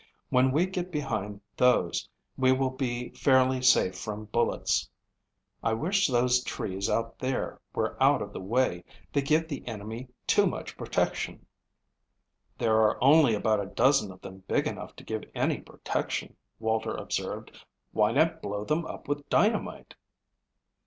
"When we get behind those we will be fairly safe from bullets. I wish those trees out there were out of the way. They give the enemy too much protection." "There are only about a dozen of them big enough to give any protection," Walter observed. "Why not blow them up with dynamite?"